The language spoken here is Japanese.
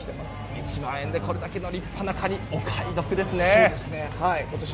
１万円でこれだけの立派なカニお買い得ですね！